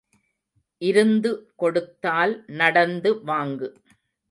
இருந்து கொடுத்தால் நடந்து வாங்கு.